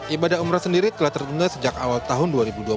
ibadah umroh sendiri telah tertunda sejak awal tahun dua ribu dua puluh